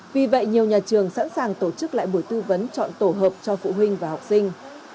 vì vậy nhiều nhà trường sẵn sàng tổ chức lại buổi tư vấn chọn tổ hợp cho phụ huynh và học sinh